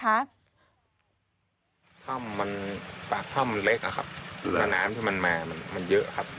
ถ้ำมันปากถ้ำเล็กอะครับแล้วน้ำที่มันมามันเยอะครับ